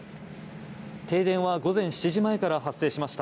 停電は午前７時前から発生しました。